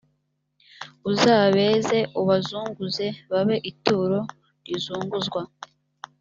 uzabeze ubazunguze babe ituro rizunguzwa